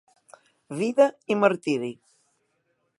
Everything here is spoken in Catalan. Vida i martiri.